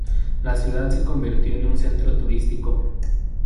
La ciudad se convirtió en un centro turístico.